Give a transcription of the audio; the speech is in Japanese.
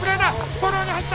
フォローに入った。